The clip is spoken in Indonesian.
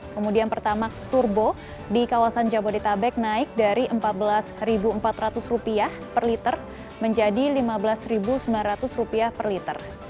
kemudian pertamax turbo di kawasan jabodetabek naik dari rp empat belas empat ratus per liter menjadi rp lima belas sembilan ratus per liter